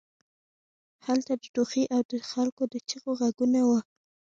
هلته د ټوخي او د خلکو د چیغو غږونه وو